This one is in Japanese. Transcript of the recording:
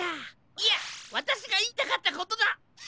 いやわたしがいいたかったことだ！